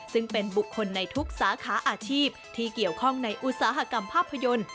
ซึ่งเป็นบุคคลในทุกสาขาอาชีพที่เกี่ยวข้องในอุตสาหกรรมภาพยนตร์